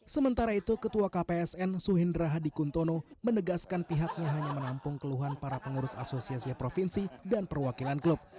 sementara itu ketua kpsn suhindra hadi kuntono menegaskan pihaknya hanya menampung keluhan para pengurus asosiasi provinsi dan perwakilan klub